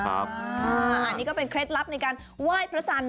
อันนี้ก็เป็นเคล็ดลับในการไหว้พระจันทร์